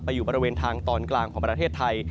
อยู่บริเวณทางตอนกลางของประเทศไทย